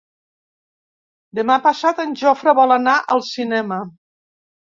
Demà passat en Jofre vol anar al cinema.